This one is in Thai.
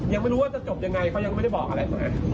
ยังไม่รู้ว่าจะจบยังไงเค้ายังไม่ได้บอกอะไร